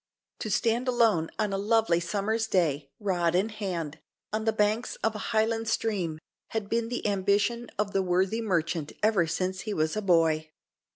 To stand alone on a lovely summer's day, rod in hand, on the banks of a Highland stream, had been the ambition of the worthy merchant ever since he was a boy.